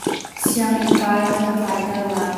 Sianginn kai na ka tlai ter lai.